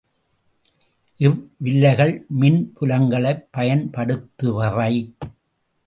இவ்வில்லைகள் மின் புலங்களைப் பயன்படுத்துபவை.